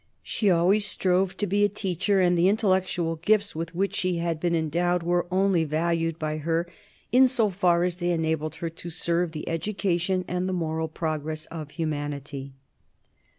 She always strove to be a teacher, and the intellectual gifts with which she had been endowed were only valued by her in so far as they enabled her to serve the education and the moral progress of humanity.